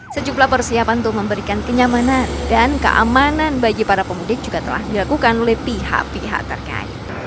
sejumlah persiapan untuk memberikan kenyamanan dan keamanan bagi para pemudik juga telah dilakukan oleh pihak pihak terkait